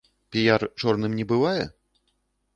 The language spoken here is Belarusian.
Піяр чорным не бывае?